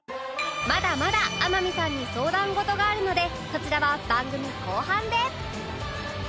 まだまだ天海さんに相談ごとがあるのでそちらは番組後半で